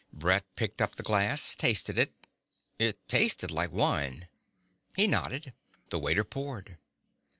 Brett picked up the glass, tasted it. It tasted like wine. He nodded. The waiter poured.